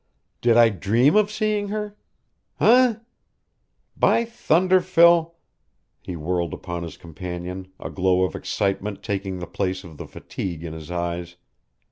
"Did I dream of seeing her? Eh? By thunder, Phil " He whirled upon his companion, a glow of excitement taking the place of the fatigue in his eyes.